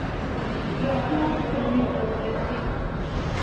رپوټ امیر ته ورسېد.